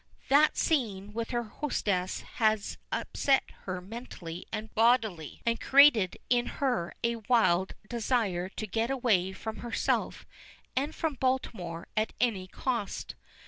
That scene with her hostess has upset her mentally and bodily, and created in her a wild desire to get away from herself and from Baltimore at any cost.